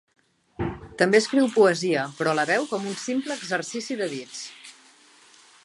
També escriu poesia, però la veu com un simple exercici de dits.